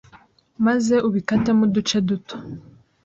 maze ubikatemo uduce duto